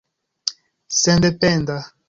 sendependa